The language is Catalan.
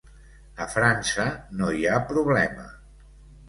A França no hi ha problema.